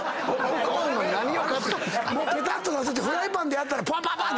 ペタッとさせてフライパンでやったらパンパンパン！